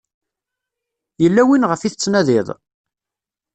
Yella win ɣef i tettnadiḍ?